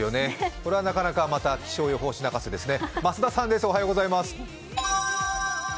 これはなかなか、また気象予報士泣かせですね。